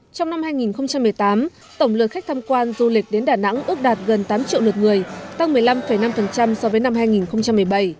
trong năm hai nghìn một mươi tám tổng lượt khách tham quan du lịch đến đà nẵng ước đạt gần tám triệu lượt người tăng một mươi năm năm so với năm hai nghìn một mươi bảy